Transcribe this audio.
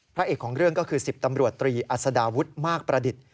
พระเอกของเรื่องก็คือ๑๐ตำรวจตรีอัศดาวุฒิมากประดิษฐ์